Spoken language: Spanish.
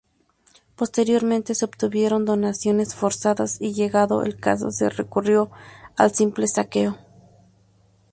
Posteriormente se obtuvieron donaciones forzadas, y llegado el caso se recurrió al simple saqueo.